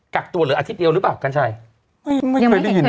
กักตัวเหลืออาทิตย์เดียวหรือเปล่ากันกัน